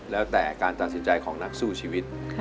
แล้วแต่การตัดสินใจของนักสู้ชีวิต